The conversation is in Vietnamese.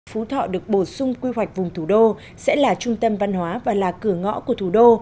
phú thọ được bổ sung quy hoạch vùng thủ đô sẽ là trung tâm văn hóa và là cửa ngõ của thủ đô